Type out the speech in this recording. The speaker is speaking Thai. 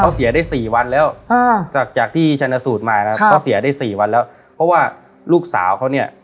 เขาเสียได้สี่วันแล้วจากที่ชนะสูตรมานะครับเขาเสียได้สี่วันแล้วเพราะว่าลูกสาวเขาเนี่ย